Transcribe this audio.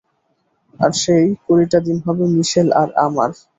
আর সেই কুড়িটা দিন হবে মিশেল আর আমার।